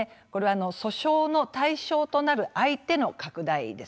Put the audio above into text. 訴訟の対象となる相手の拡大です。